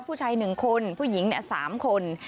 ผู้ชาย๑คนผู้หญิง๓คน